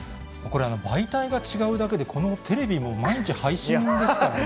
これ、媒体が違うだけで、このテレビも毎日配信ですからね。